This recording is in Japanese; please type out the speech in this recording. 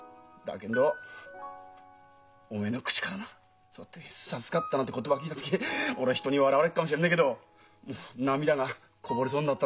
けんどおめえの口からなそうやって「授かった」なんて言葉を聞いた時俺人に笑われっかもしれないけど涙がこぼれそうになったんだよ。